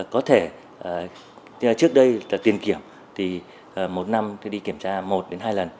có thể trước đây tiền kiểm thì một năm đi kiểm tra một đến hai lần